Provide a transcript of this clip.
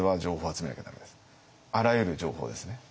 あらゆる情報ですね。